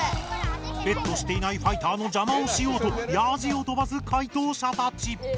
ベットしていないファイターのじゃまをしようとヤジをとばす解答者たち！